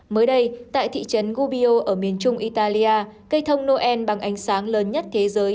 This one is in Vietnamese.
mới đây tại thị trấn gubio ở miền trung italia cây thông noel bằng ánh sáng lớn nhất thế giới